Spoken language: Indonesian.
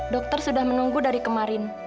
dokter sudah menunggu dari kemarin